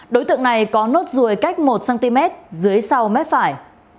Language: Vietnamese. đối tượng này có nốt ruồi cách một cm dưới sau mép phải